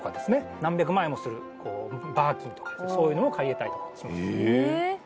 何百万円もするバーキンとかそういうのも借りれたりとかします